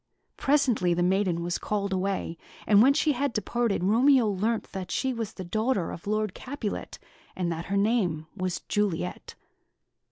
Presently, the maiden was called away, and when she had departed, Romeo learnt that she was the daughter of Lord Capulet, and that her name was Juliet.